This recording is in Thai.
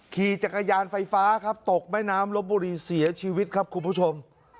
ขี่จักรยานไฟฟ้าครับตกแม่น้ำลบบุรีเสียชีวิตครับคุณผู้ชม